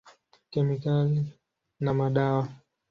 Kemikali na madawa.